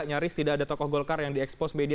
nyaris tidak ada tokoh golkar yang diekspos media